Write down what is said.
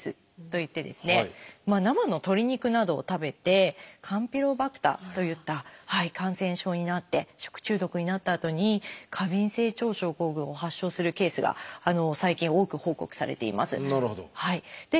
生の鶏肉などを食べてカンピロバクターといった感染症になって食中毒になったあとに過敏性腸症候群を発症するケースが最近多く報告されています。